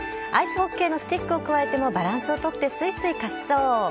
アイスホッケーのスティックをくわえてもバランスを取って、すいすい滑走。